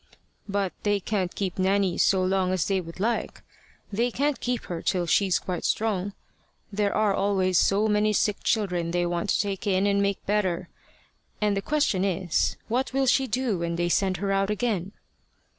"But they can't keep Nanny so long as they would like. They can't keep her till she's quite strong. There are always so many sick children they want to take in and make better. And the question is, What will she do when they send her out again?"